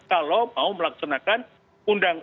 kalau mau melaksanakan undang undang